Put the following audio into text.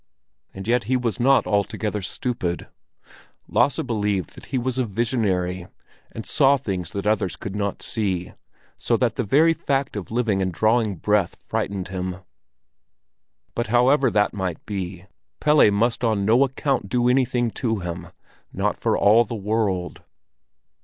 And yet he was not altogether stupid. Lasse believed that he was a visionary, and saw things that others could not see, so that the very fact of living and drawing breath frightened him. But however that might be, Pelle must on no account do anything to him, not for all the world.